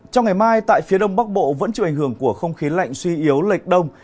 trong ngày mai tại phía đông bắc bộ vẫn chịu ảnh hưởng của không khí lạnh suy yếu lệch đông